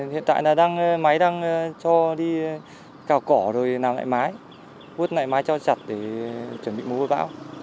hiện tại là máy đang cho đi cào cỏ rồi nằm lại mái hút lại mái cho sạt để chuẩn bị mô vô bão